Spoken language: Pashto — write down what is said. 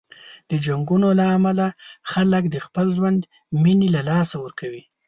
د جنګونو له امله خلک د خپل ژوند مینې له لاسه ورکوي.